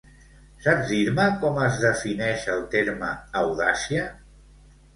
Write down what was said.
Saps dir-me com es defineix el terme audàcia?